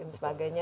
dan tentu dapatnya